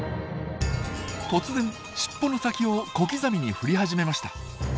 突然しっぽの先を小刻みに振り始めました。